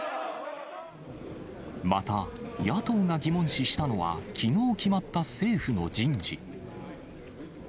また、野党が疑問視したのはきのう決まった政府の人事。